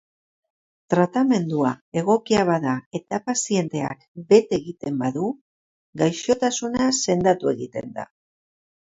Tratamendua egokia bada eta pazienteak bete egiten badu, gaixotasuna sendatu egiten da.